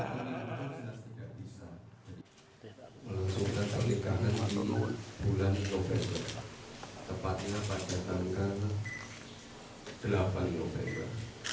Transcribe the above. tepatnya pada tanggal delapan november